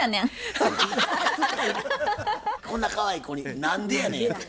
こんなかわいい子に「何でやねん」やて。